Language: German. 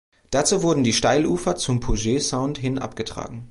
Dazu wurden die Steilufer zum Puget Sound hin abgetragen.